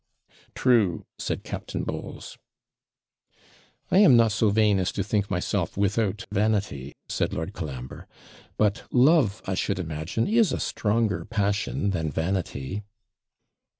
'True,' said Captain Bowles. 'I am not so vain as to think myself without vanity,' said Lord Colambre; 'but love, I should imagine, is a stronger passion than vanity.'